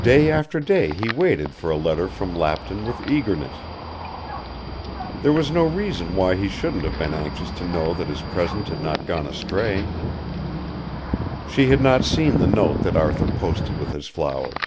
Day after day he waited for a letter from Lapton with eagerness. There was no reason why he shouldn't have been anxious to know that his present had not gone astray. She had not seen the note that Arthur posted with his flowers.